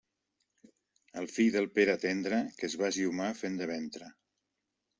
El fill del Pere Tendre, que es va esllomar fent de ventre.